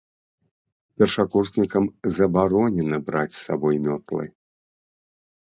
Першакурснікам забаронена браць з сабой мётлы.